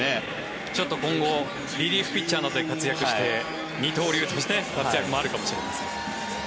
今後、リリーフピッチャーとして活躍して二刀流として活躍もあるかもしれません。